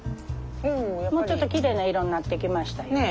もうちょっときれいな色になってきましたよ。